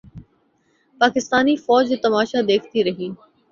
پاکستانی فوج یہ تماشا دیکھتی رہی۔